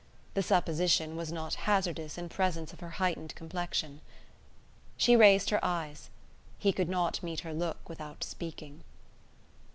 The supposition was not hazardous in presence of her heightened complexion. She raised her eyes. He could not meet her look without speaking.